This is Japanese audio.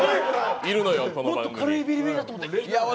もっと軽いビリビリだと思った。